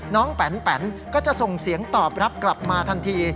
แปนก็จะส่งเสียงตอบรับกลับมาทันที